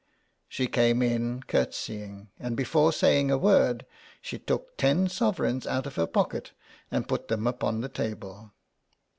She came in curtseying, and before saying a word she took ten sovereigns out of her pocket and put them upon the table.